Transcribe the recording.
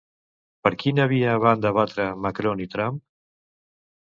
Per quina via van debatre Macron i Trump?